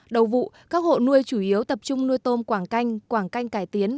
đầu vụ các hộ nuôi chủ yếu tập trung nuôi tôm quảng canh quảng canh cải tiến